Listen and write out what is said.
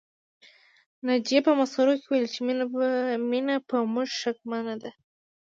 ناجيې په مسخره وويل چې مينه په موږ شکمنه ده